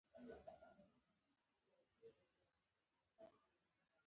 پکتیا د خپل جغرافیايي موقعیت له مخې یوه کلیدي سیمه ده.